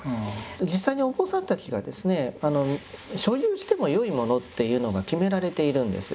実際にお坊さんたちがですね所有してもよいものっていうのが決められているんです。